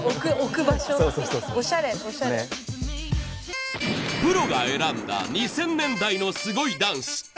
プロが選んだ２０００年代のすごいダンス。